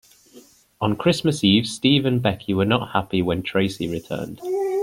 On Christmas Eve, Steve and Becky were not happy when Tracy returned.